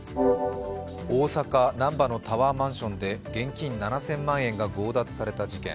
大阪・難波のタワーマンションで現金７０００万円が強奪された事件。